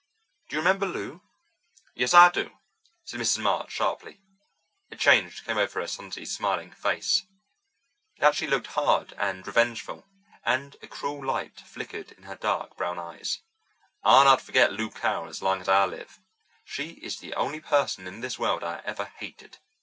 Do you remember Lou?" "Yes, I do," said Mrs. March sharply. A change came over her sonsy, smiling face. It actually looked hard and revengeful, and a cruel light flickered in her dark brown eyes. "I'll not forget Lou Carroll as long as I live. She is the only person in this world I ever hated.